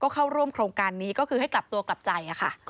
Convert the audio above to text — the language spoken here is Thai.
เข้าร่วมโครงการนี้ก็คือให้กลับตัวกลับใจค่ะ